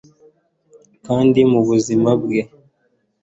kandi mubuzima bwanjye